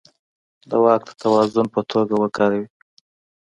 د واک د توازن په توګه وکاروي.